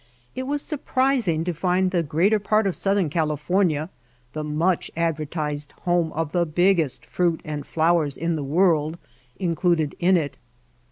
It was surprising to find the greater part of south ern California, the much advertised home of the biggest fruit and flowers in the world, in cluded in it.